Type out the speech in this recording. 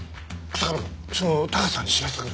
すぐ高瀬さんに知らせてくれ！